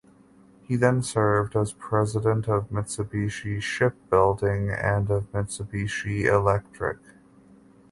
He then served as President of Mitsubishi Shipbuilding and of Mitsubishi Electric.